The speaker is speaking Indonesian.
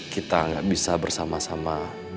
kita nggak bisa bersama sama